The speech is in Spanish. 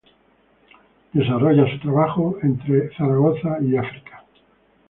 Desarrolla su trabajo en Zaragoza y África.